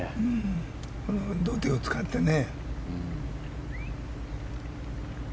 土手を使ってね。